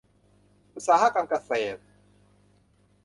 อุตสาหกรรมเกษตร